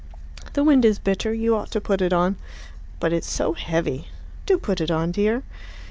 "The wind is bitter. You ought to put it on." "But it's so heavy." "Do put it on, dear."